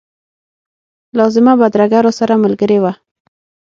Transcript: لازمه بدرګه راسره ملګرې وه.